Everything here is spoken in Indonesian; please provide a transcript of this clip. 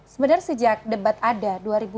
sebenarnya sejak debat ada